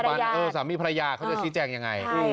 ฟังตัวสามีภรรยาเขาจะสิจแจงอย่างไร